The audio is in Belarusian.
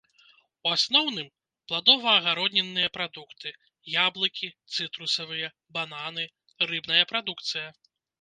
У асноўным, пладова-агароднінныя прадукты, яблыкі, цытрусавыя, бананы, рыбная прадукцыя.